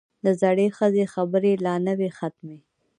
د زړې ښځې خبرې لا نه وې ختمې.